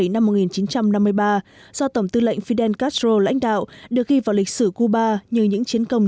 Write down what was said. năm một nghìn chín trăm năm mươi ba do tổng tư lệnh fidel castro lãnh đạo được ghi vào lịch sử cuba như những chiến công